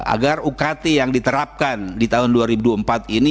agar ukt yang diterapkan di tahun dua ribu empat ini